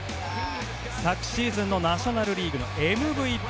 昨シーズンのナショナル・リーグのＭＶＰ。